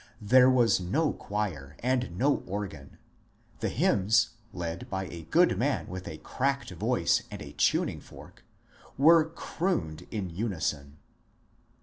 There was no choir, and no organ ; the hymns, led by a good man with a cracked voice and a tuning;f orh, were crooned in unison.